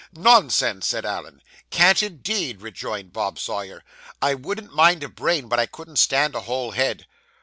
'Nonsense!' said Allen. 'Can't, indeed,' rejoined Bob Sawyer, 'I wouldn't mind a brain, but I couldn't stand a whole head.